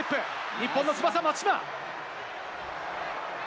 日本の翼、松島。